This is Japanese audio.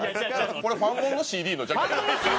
これファンモンのＣＤのジャケット。